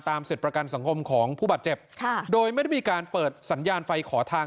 สิทธิ์ประกันสังคมของผู้บาดเจ็บค่ะโดยไม่ได้มีการเปิดสัญญาณไฟขอทาง